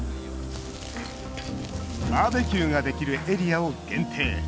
バーベキューができるエリアを限定。